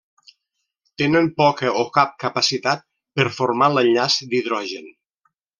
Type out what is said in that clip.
Tenen poca o cap capacitat per formar l'enllaç d'hidrogen.